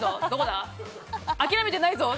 諦めてないぞ！